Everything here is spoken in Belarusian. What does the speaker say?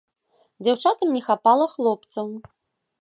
Дзяўчатам не хапала хлопцаў.